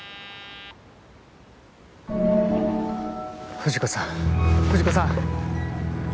藤子さん藤子さん。